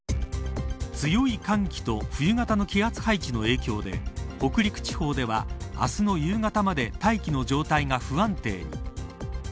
強い寒気と冬型の気圧配置の影響で北陸地方では明日の夕方まで大気の状態が不安定に。